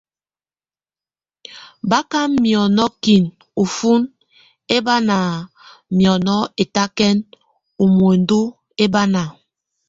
Bá ka miaŋo kin ufun e bá na miaŋo etakɛn o muendu e bá na.